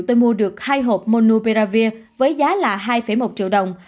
tôi mua được hai hộp monupiravir với giá là hai một triệu đồng